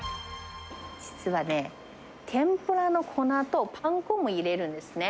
実はね、天ぷらの粉とパン粉も入れるんですね。